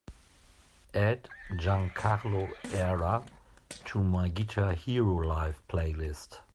Add giancarlo erra to my Guitar Hero Live Playlist